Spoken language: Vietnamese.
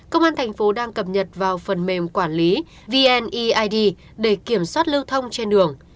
công an thành phố đang cập nhật vào phần mềm quản lý vneid để kiểm soát lưu thông trên đường